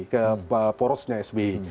ke porosnya sbi